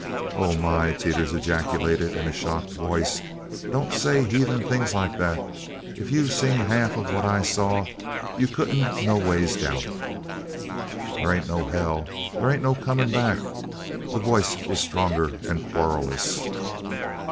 "Oh, my!" Teeters ejaculated in a shocked voice. "Don't say heathen things like that! If you'd seen half of what I've saw you couldn't nowise doubt." "There ain't no hell there ain't no comin' back." The voice was stronger, and querulous.